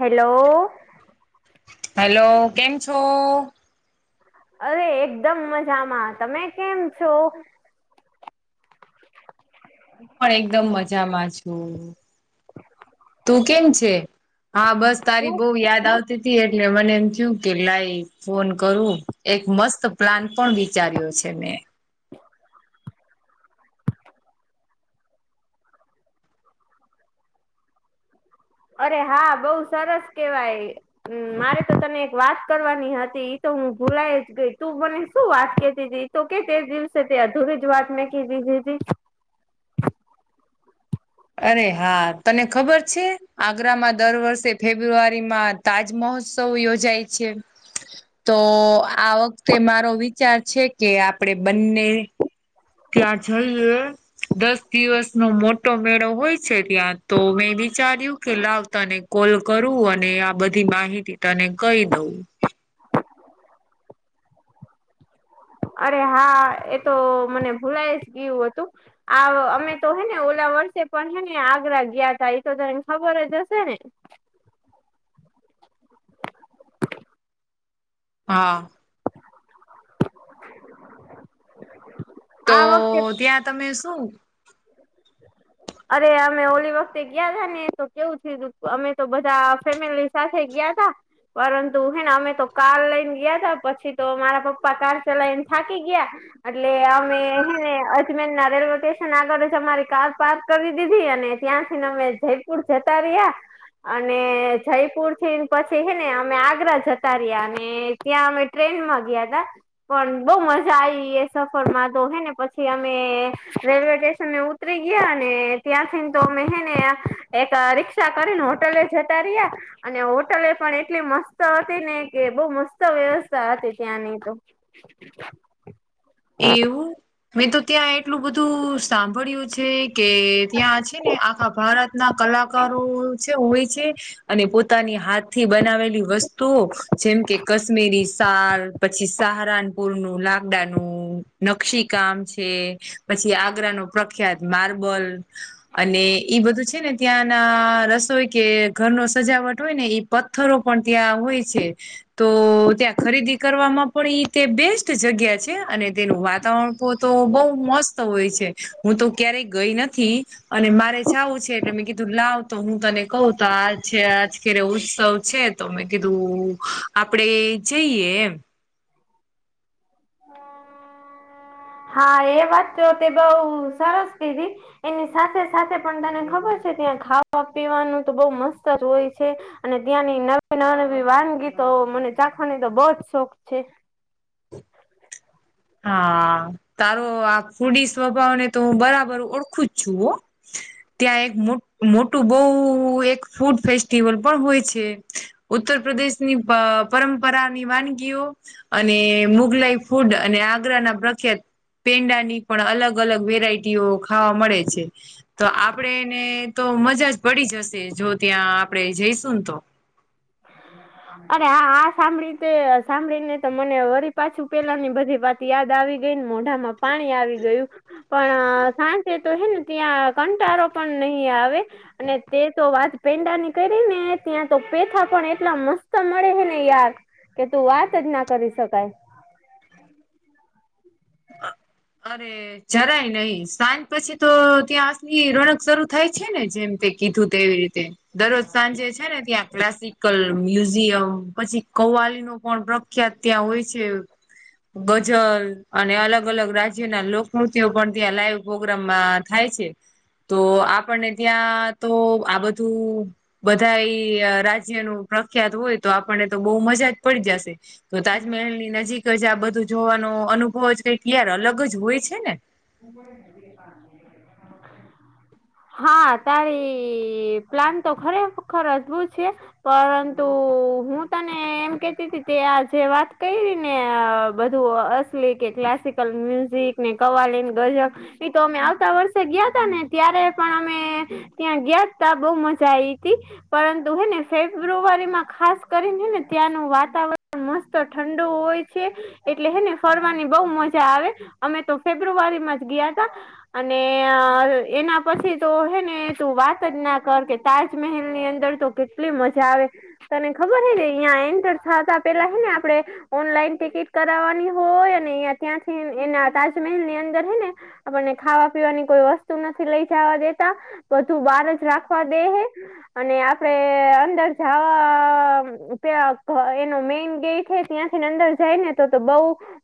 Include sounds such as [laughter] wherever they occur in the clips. Hello hello કેમ છો અરે એકદમ મજામાં તમે કેમ છો હું પણ એકદમ મજામાં છું તું કેમ છે હા બસ તારી હું બહુ યાદ આવતી હતી એટલે મને એમ થયું કે લાઈ ફોન કરું એક મસ્ત પ્લાન પણ વિચાર્યો છે મેં અરે હા બહુ સરસ કેવાય હમ મારે તો તને એક વાત કરવાની હતી તો હું ભૂલાય જ ગઈ તું મને શું વાત કેતી ત તો કે તે દિવસે તે અધુરી જ વાત મેં ક દીધી અરે હા તને ખબર છે આગ્રામાં દર વર્ષે ફેબ્રુઆરીમાં તાજ મહોત્સવ યોજાય છે તો આ વખતે મારો વિચાર છે કે આપડે બંને ક્યાં છે દસ દિવસ નો મોટો મેળો હોય છે ત્યાં તો મેં વિચાર્યું કે લાવતાને કોલ કરું અને આ બધી માહિતી તને કહી દઉં અરે હા એતો મને ભૂલાય જ ગયું હતું આ અમે તો હે ને ઓલા વર્ષે પણ હે ને આગ્રા ગયા તા એ તો તને ખબર જ હશે ને હા તો આ વખતે ત્યાં તમે શું અરે અમે ઓલી વખતે ગયા હતાા ને તો કેવું થું અમે તો બધા ફેમિલી સા થે ગયા ત પરંતુ હેને અમે તો કાર લઈને ગયા હતા પછી તો મારા પપ્પા કાર [unintelligible] લઈને થાકી ગયા. એટલે અમે હે ને અજમેન ના [inaudible] અમારી કાર પાર્ક કરી દીધી અને ત્યાંથીને અમે જયપુર જતા રહ્યા. અને જયપુર થીને પછી હે ને અમે આગ્રા જતા રહ્યા અને ત્યાં અમે ટ્રેન માં ગયા તા પણ બહુ મજા આવી એ સફર માં તો હેને પછી અમે રેલવે સ્ટન અ ઉતરી ગયા ને ત્યાંથીને તો અમે હને એક રિકષા કરીને હોટલે જ તરી્યા અને હોટલે પણ એટલી મસ્ત હતી ને કે બહ મસ્ત વ્યવસ્થા હતી ત્યાંની તો. એવું. મેં તો ત્યાં એટલું બધું સાંભળ્યું છે, કે ત્યાં છે ને આખા ભારત. ના કલાકારો છે, હોય છે, અને પોતાની હાથ થી બનાવે. વસ્તુઓ જેમ કે કાશ્મીરી સાર પછી સહારનપુર નું લાગડા. નું નકશી કામ છે, પછી આગ્રા ન પ્રખ્યાત માર્બલ. અને ઈ બધું છે, ને ત્યાં ના રસોઈ કે ઘરનો સજાવટ હોય ને. પથ્થરો પણ ત્યાં હોય છે. તો ત્યાં ખરીદી કરવાવામાં પડી તે બેસ્ટ જગ્યા છે. અને તેનું વાતાવરણ તો બહ મસ્ત હોય છે, હું તો ક્યારેય ગઈ નથી. અને મારે જવું છે, એટલે મેં કીધું લાવ તો હું તને [unintelligible] તો આ છે, આજ કેરે ઉત્સવ છે. તમે કીધું આપડે જઈએ એમ. હા એ વાત તો તે બઉ સરસ કીધી. એની સાથે સાથે પણ તને ખબર છે, ત્યાં ખાવા પીવાનું તો બઉ મસ્ત જ હોય છે. અને ત્યાંની નવી નવી નવી વાનગીતો મને ચાખવાની તો બહ જ શોખ છે. હા. તારો આ ફૂડી સ્વભાવને તો હું બરાબર ઓળખું જ છું હો. ત્યાં એક મો મોટું બઉ એક ફૂડ ફેસ્ટિવલ પણ હોય છે. ઉત્તર પ્રદેશની પરંપરાની વાનગીઓ અને મુઘલાઈ ફૂડ. અને આગ્રાના પ્રખ્યાત પેંડાની પણ અલગ અલગ વેરાયટીઓ ખાવા મળે છે. તો આપડેને તો મજા જ પડી જશે જો ત્યાં આપણેે જઈશું ને તો. અરે આ આ સાંભળી [unintelligible] સાંભળીને તો મને વરી પાછું પેલા ની બધી વાત. [unintelligible] આવી ગઈ ને મોઢામાં પાણી આવી ગયું. પણ સાંજે તો હે ને ત્યાં કંટારો પણ નહી આવે. અને તે તો વાત પેંડાની કરી ને ત્યાં તો પેથા પણ એટલા મસ્ત મળે હે ને યાર કે તું વાત જ ના કરી શકાય. અરે જરાય [unintelligible] સાંજ પછી તો ત્યાં આની રણક [unintelligible] થાય છે, ને જેમ કે. કીધું [unintelligible] દરરોજ સાંજે છે, ને ત્યાં ક્લાસિકલ મ્યુઝિયમ પછી કવાલી [unintelligible] પણ પ્રખ્યાત ત્યાં હોય છે, ગજલ અને અલગ અલગ રાજ્ય રાજ ના લોકમૃત્ય પણ ત્યાં લાઈવ પ્રોગ્રામમાં થાય છે. તો આપણને ત્યાં તો આ બધું. બધા એ રાજ્યનું પ્રખ્યાત હોય તો આપણને તો બહુ મજા જ પડી જશે. તો તાજમહેલની નજીક જ આ બધું જોવાનો અનુભવ જ કઈક તયાર અલગ જ હોય છે, ને. [inaudible] હા તારી પ્લાન તો ખરેખર અજભૂત છે. પરંતુ હું તને એમ કેતી હતી કે આ જે વાત કરી હતી ને. બધું અસલી કે ક્લાસિકલ મ્યુઝિક ને કવાલીન ગજ એ તો અમે આવતા વર્ષે ગયા તા ને ત્યારે પણ અમે ત્યાં ગયા ત બહુ મજા આઈ તી. પરંતુ હને ફેબ્રુઆરીમાં ખાસ કરીનેને ત્યાંનું વાતાવરણ મસ્ત ઠંડુ હોય છે એટલે હેને ફરવાની બહ મજા આવે અમે તો ફેબ્રુઆરી માં જ ગયા તા અને એના પછી તો હે ને તું વાત જ ના કર કે તાજમહેલ ની અંદર તો. કેટલી મજા આવે તને ખબર હ ને અહં એન્ટર થતા પેલા હે ને આપડે. ઓનલાઈન ટિકિટ કરાવવાની હોય અને ત્યાંથી એના તાજમહેલ ની અંદર. [unintelligible] આપણને ખાવા પીવાની કોઈ વસ્તુ નથી લઈ જવા દેતા. બધું બહાર જ રાખવા દે હ અને આપડે અંદર જવા. ત્યા એનો મેઈન ગેટ હ ત્યાંથી અંદર જાય ને તો તો બઉ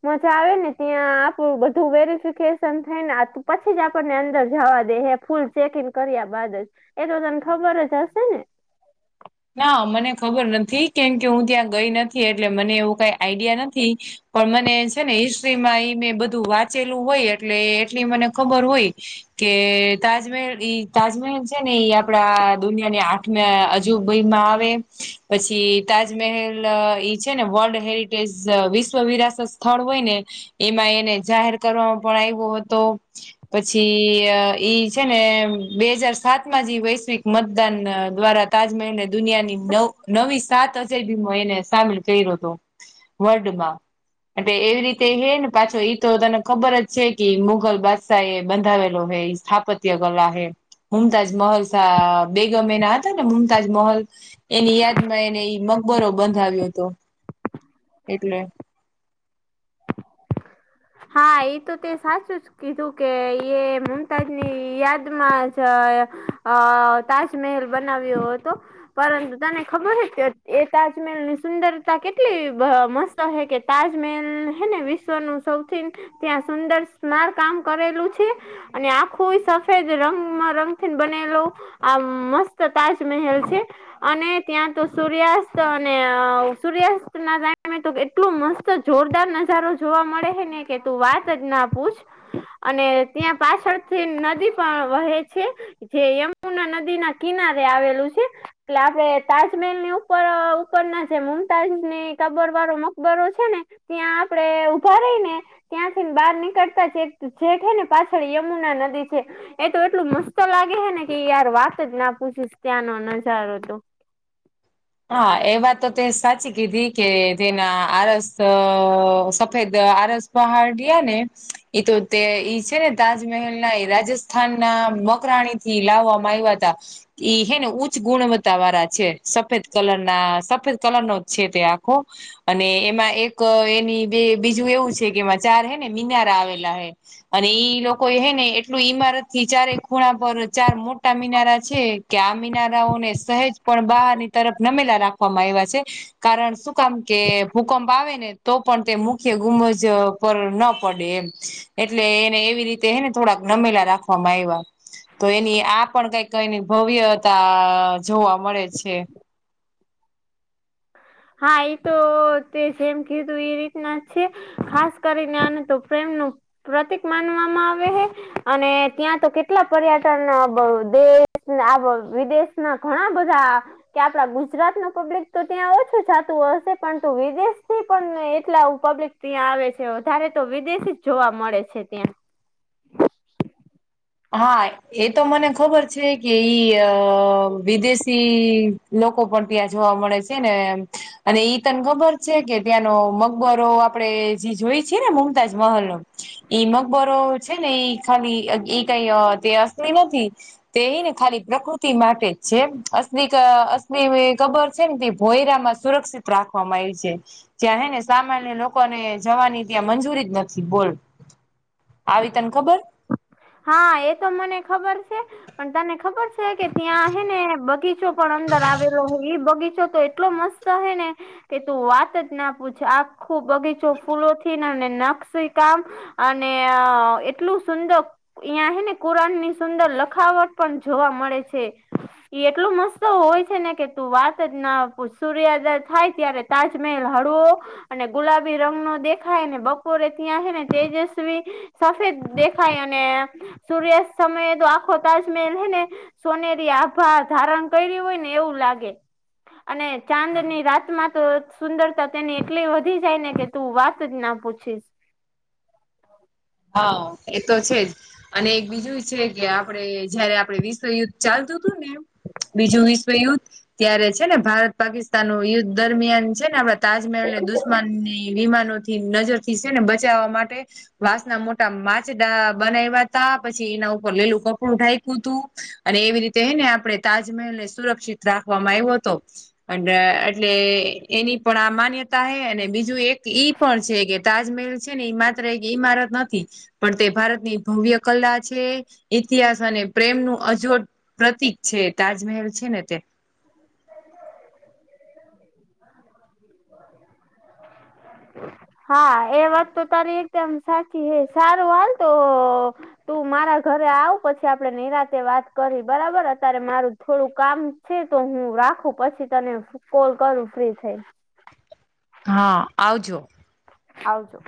મજા આવે ને ત્યાં આપડું બધું વેરી શન થઈને પછી જ આપણને અંદર જવા દે ફૂલ ચેક ઈન કર્યા બાદ જ એ તો તાને ખબર જ હશે ને ના મને ખબર નથી કેમ કે હું ત્યાં ગઈ નથી એટલે મને એવું કઈ આઈડિયા નથી પણ મને છે ને હિસ્ટ્રીમાં એઈ મેં બધું વાંચેલું હોય એટલે એટલી મને ખબર હોય કે તાજમહેલ ઈ તાજમહેલ છે ને ઈ આપડા દુનિયાની આઠમ જુબઈમાં આવે પછી તાજમહેલ ઈ છે ને વર્લ્ડ હેરટે એ વિશ્વ વિરાસત સ્થળ હોય ને એમાં એને જાહેર કરવામાં પણ આવ્યો હતો પછી ઈ છે ને બે હજાર સાત માં જે વૈશ્વિક મતદાન દ્વારા તાજમહેલને દુનિયાની નવ નવી સાત અજયબીો એને સામેલ કર્યો હતો વર્ડ માં એટ એવી રીતે હે ને પાછો ઈ તો તને ખબર જ છે કે મુઘલ બાદશા એ બંધાવેલો હૈ સ્થાપત્ય કલા હમતાજ મહલ સા બેગમે ના હતા મુમતાજ મહોલ એની યાદમાં એને મકબરો બંધાવ્યો હતો એટલે હા એ તો ત્યાં સાચું છે કીધું કે એ મમતાજ ની યાદમાં જ અ તાજમહેલ બનાવ્યો હતો પરંતુ તને ખબર છે કે એ તાજમહેલની સુંદરતા કેટલી મસ્ત કે તાજમહેલ હે ને વિશ્વનું સૌ ત્યાં સુંદર સમાર કામ કરેલું છે અને આખું સફેદ રંગમાં રંગ થી બનેલું આ મસ્ત તાજમહેલ છે અને ત્યાં તો સૂર્યાસ્ત અને સૂર્યાસ્ત ના ટમે એટલુ મસ્ત જોરદાર નજારો જોવા મળે હ ને કે તું વાત જ ના પૂછ અને ત્યાં પાછળથી નદી પણ વહે છે જે યમુના નદી ના કિનારે આવેલું છે એટલે આપડે તાજમહેલ ની ઉપર ઉપરના જે મુમતાજ ની કબર વાળો મકબરો છે ને ત્યાં આપડે ઉભા રહી ને ત્યાંથી ને બહાર નીકળતા છે જેઠે ને પાછળ યમુના નદી છે એ તો એટલું મસ્ત લાગે હે ને કે યાર વાત જ ના પૂછીશ ત્યાંનો નજારો તો હા એ વાત તો તે સાચી કીધી કે તેના આરસ સફેદ આરસ, પહાડિયા ને એ તો તે ઈ છે ને તાજમહેલ ના એ રાજસ્થાન ના મકરાણી, થી લાવવામાં આવ્યા હતા ઈ હેને ઉચ્ચ ગુણવત્તા વાળા છે સફેદ કલર ના સફેદ કલર નો છે તે આખો અને એમાં એક એની બે બીજું એવું છે કે એમાં ચાર હે ને મિનારા આવેલા હૈ અને ઈ લોકો હે ને એટલું ઈમારત થી ચારે ખૂણા પર ચાર મોટા મિનારા છે કે આમીનારાઓને સહેજ પણ બહારની તરફ નમેલા રાખવામાં આવ્યા છે કારણ શું કામ કે ભૂકંપ આવેને તો પણ તે મુખ્ય ગુમજ ઉપ ન પડે એમ એટલે એને એવી રીતે હેને થોડાક નમેલા રાખવામાં આવ્યા તો એની આ પણ કઈક એની ભવ્યતા જોવા મળે છે હા એ તો તે જેમ કીધું એ રીતના છે ખાસ કરીને આને તો પ્રેમ નું પ્રતિક માનવામાં આવે હે અને ત્યાં તો કેટલા પર્યટન [unintelligible] દેશ આ વિદેશ ના ઘણા બધા કે આપડા ગુજરાત ન પબ્લિક તો ત્યાં હો, ચતું હશે પરંતુ વિદેશથી પણ એટલા પબ્લિક ત્યાં આવે છે વધારે તો વિદેશી, જોવા મળે છે ત્યાં. હા એ તો મને ખબર છે કે ઈ વિદેશી, લોકો પણ ત્યાં જોવા મળે છે ને, અને ઈતન ખબર છે કે ત્યાંનો મકબરો આપડે જે જોઈ છેી ને મુમતાજ મહલ ન, ઈ મગબરો છે ને એ ખાલી એ કઈ તે અસલી નથી. તે ને ખાલી પ્રકૃતિ, માટે જ છે, અસની અસની ખબર છે ને ભોયરામાં સુરક્ષા રાખવામાં આવી છે. ત્યાં હે ને સામાન્ય લોકોને જવાની ત્યાં મંજૂરી જ નથી બોલ. આવી તને ખબર? હા એ તો મને ખબર છે. પણ તને ખબર છે કે ત્યાં હ ને બગીચો પણ અંદર આવેલો હો ઈ બગીચો તો એટલો મસ્ત, તોહેને, કે તું વાત જ ના પૂછ આખો બગીચો ફૂલો થથીનેને નકશી કામ, અને એટલું સુંદર, અયાં હ ને કુરાન ની સુંદર લખાવટ પણ જોવા મળે છે. એ એટલું મસ્ત હોય છે ને કે તું વાત જ ના સૂર્યોદય થાય ત્યારે, તાજમહેલ હડ, અને ગુલાબી રંગ નો દેખાયને બપોરે ત્યાં છે ને તેજસ્વી, સફેદ દેખાય અને સૂર્ય સમયે તો આખો તાજમહેલ હ ને, સોનેરી આભા ધારણ કર્યું હોય ને એવું લાગે. અને ચાંદ ની રાતમાં તો સુંદરતા તેની એટલી વધી જાય ને કે, તું વાત જ ના પૂછીશ. હા એ તો છે જ. અને એક બીજું છે કે આપડે જયારે આપડે વિશ્વયુદ્ધ ચાલતું હતું ને એમ, બીજું વિશ્વ યુદ્ધ ત્યારે છે ને ભારત પાકિસ્તાન ન યુદ્ધ દરમિયાન છે ને, તાજમહેલને દુશ્મનની વિમાનો થી નજરથીસે ને બચાવવા માટેત, ના મોટા માંચડા બનાવ્યાતા પછી એના ઉપર લીલું કપડું ઢાકું તું. અને એવી રીતે હને આપણે તાજમહેલ ને સુરક્ષિત રાખવામાં આવ્યો હતો. અ એટલે એની પણ આ માન્યતા હૈ અને બીજું એક ઈ, પણ છે કે તાજમહેલ છે ને એ માત્ર એક ઇમારત, નથી પણ તે ભારતની ભવ્ય કલા છે ઇતિહાસ અને પ્રેમનું અજોડ, પ્રતિક છે તાજમહેલ છે ને તે. [inaudible] હા એ વાત તો તારી એકદમ સાચી છે સારું હાલ તો, તું મારા ઘરે આવ પછી આપડે નિરાતે વાત કરી બરાબર અત્યારે મારું થોડું કામ, છે તો હું રાખું પછી તને કોલ કરું ફ્રી થઈ. હા આવજો. આવજો.